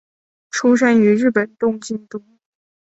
出身于日本东京都。